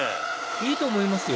いいと思いますよ